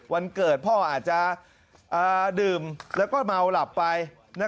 วันเกิดพ่ออาจจะดื่มแล้วก็เมาหลับไป